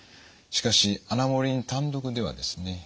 しかしアナモレリン単独ではですね